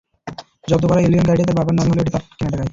জব্দ করা এলিয়ন গাড়িটি তাঁর বাবার নামে হলেও এটি তাঁর টাকায় কেনা।